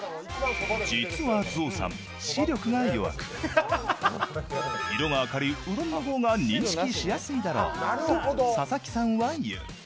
実はゾウさん、視力が弱く、色が明るいうどんのほうが認識しやすいだろうと佐々木さんは言う。